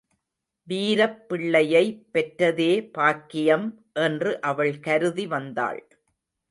வீரப் பிள்ளையை பெற்றதே பாக்கியம் என்று அவள் கருதி வந்தாள்.